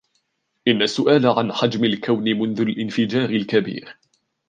إن السؤال عن حجم الكون منذ الانفجار الكبير